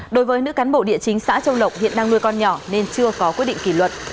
đối với nữ cán bộ địa chính xã châu lộc hiện đang nuôi con nhỏ nên chưa có quyết định kỷ luật